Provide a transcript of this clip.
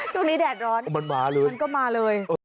ช่วงนี้แดดร้อนมันก็มาเลย